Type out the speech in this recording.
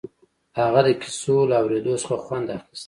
هغه د کيسو له اورېدو څخه خوند اخيست.